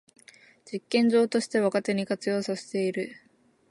実験場として若手に活用させている